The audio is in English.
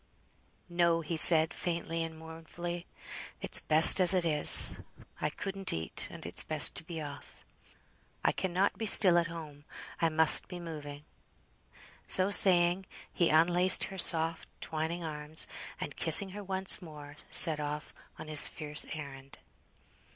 "No," he said, faintly and mournfully. "It's best as it is. I couldn't eat, and it's best to be off. I cannot be still at home. I must be moving." So saying, he unlaced her soft twining arms, and kissing her once more, set off on his fierce errand.